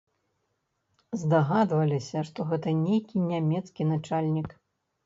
Здагадваліся, што гэта нейкі нямецкі начальнік.